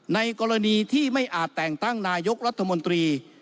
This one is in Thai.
ในกรณีที่ไม่อาจแต่งตั้งนายกรัฐมนตรี